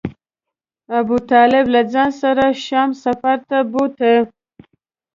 ابو طالب له ځان سره شام سفر ته بوته.